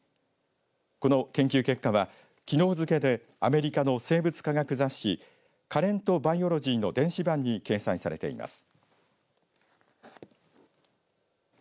この研究結果はきのう付けでアメリカの生物科学雑誌カレント・バイオロジーの電子版に掲載されています。